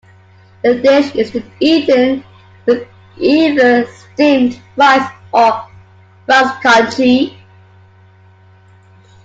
The dish is then eaten with either steamed rice or rice congee.